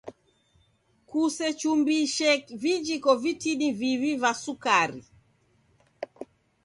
Kusechumbise vijiko vitini viw'i va sukari.